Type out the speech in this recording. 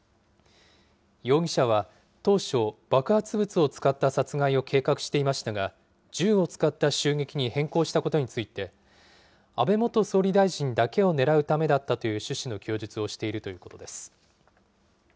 容疑者は当初、爆発物を使った殺害を計画していましたが、銃を使った襲撃に変更したことについて、安倍元総理大臣だけを狙うためだったという趣旨の供述をしているということです。